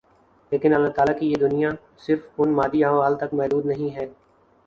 لیکن اللہ تعالیٰ کی یہ دنیا صرف ان مادی احوال تک محدود نہیں ہے